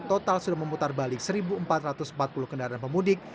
total sudah memutar balik satu empat ratus empat puluh kendaraan pemudik